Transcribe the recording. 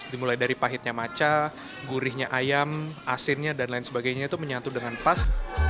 dimulai dari pahitnya maca gurihnya ayam asinnya dan lain sebagainya itu menyatu dengan pas